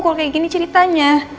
kalau kayak gini ceritanya